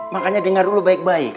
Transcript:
makanya dengar dulu baik baik